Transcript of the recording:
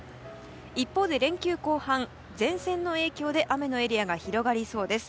一方で、連休後半前線の影響で雨のエリアが広がりそうです。